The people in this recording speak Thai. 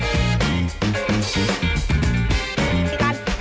กินกัน